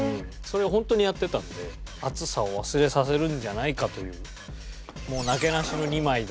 それを本当にやってたので熱さを忘れさせるんじゃないかというもうなけなしの２枚でじゃあねいきますよ